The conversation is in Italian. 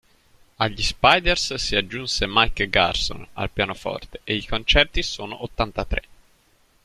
Agli Spiders si aggiunse Mike Garson al pianoforte e i concerti sono ottantatré.